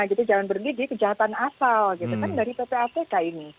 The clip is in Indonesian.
jadi jangan berdiri kejahatan asal gitu kan dari ppatk ini